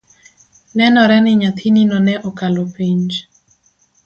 Nenore ni nyathinino ne okalo penj